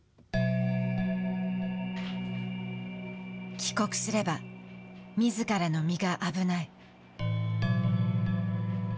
帰国すればみずからの身が危ない。